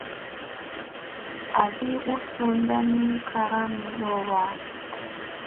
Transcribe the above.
Azi u sunda ni karami ,ɗowba.